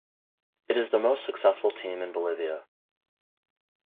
It is the most successful team in Bolivia.